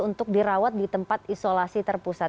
untuk dirawat di tempat isolasi terpusat